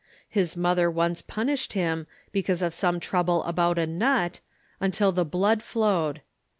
His mother once punished him, because of some trouble about a nut, until the blood flowed.